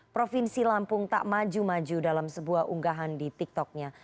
provinsi lampung tak maju maju dalam sebuah unggahan di tiktoknya